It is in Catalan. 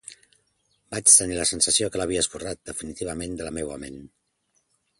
Vaig tenir la sensació que l'havia esborrat, definitivament, de la meua ment.